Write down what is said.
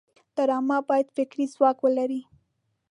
ډرامه باید فکري ځواک ولري